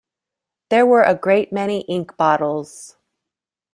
There were a great many ink bottles.